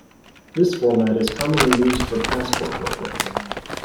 This format is commonly used for passport booklets.